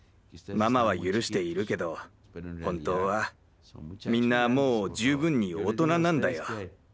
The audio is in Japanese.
ママは許しているけど本当はみんなもう十分に大人なんだよ。